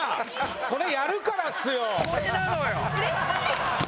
それやるからっすよ！